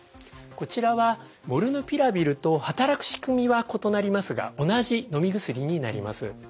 こちらはモルヌピラビルと働く仕組みは異なりますが同じのみ薬になります。